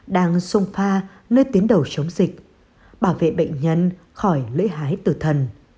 đang xông pha nơi tiến đầu chống dịch bảo vệ bệnh nhân khỏi lưỡi hái tử thần